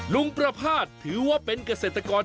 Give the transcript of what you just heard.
ลุงประภาษณ์ถือว่าเป็นเกษตรกร